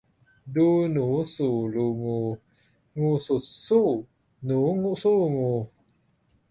ดูหนูสู่รูงู งูสุดสู้หนูสู้งู